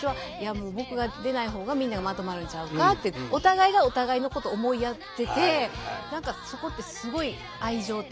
もう僕が出ないほうがみんながまとまるんちゃうかっていうお互いがお互いのことを思いやってて何かそこってすごい愛情っていうかね